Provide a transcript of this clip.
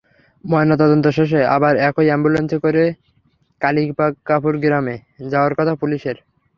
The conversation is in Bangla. ময়নাতদন্ত শেষে আবার একই অ্যাম্বুলেন্সে করে কালিকাপুর গ্রামে যাওয়ার কথা পুলিশের।